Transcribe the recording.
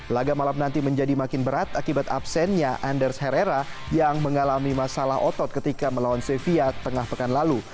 laga malam nanti menjadi makin berat akibat absennya anders herrera yang mengalami masalah otot ketika melawan sevia tengah pekan lalu